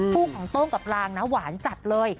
คู่ของโต้งกับลางนะหวานจัดเลย